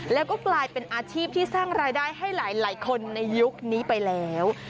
แล้วก็กลายเป็นอาชีพที่สร้างรายได้ให้หลายคนในยุคนี้ไปแล้ว